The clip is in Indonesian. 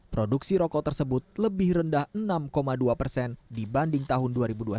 produksi rokok tersebut lebih rendah enam dua persen dibanding tahun dua ribu dua puluh satu